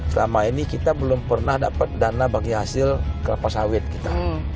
selama ini kita belum pernah dapat dana bagi hasil kelapa sawit kita